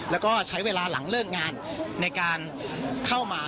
แล้วก็ใช้เวลาหลังเลิกงานในการเข้ามา